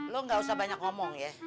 lo gak usah banyak ngomong ya